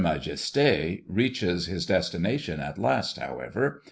Majesté reaches his destination at last, however.